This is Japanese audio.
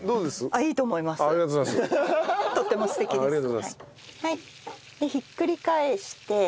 でひっくり返して。